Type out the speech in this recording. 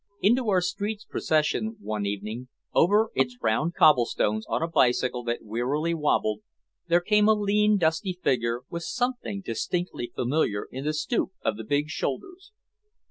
Into our street's procession one evening, over its round cobblestones on a bicycle that wearily wobbled, there came a lean dusty figure with something distinctly familiar in the stoop of the big shoulders.